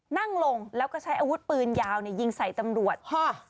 นั่งลงแล้วก็ใช้อาวุธปืนยาวยิงใส่ตำรวจ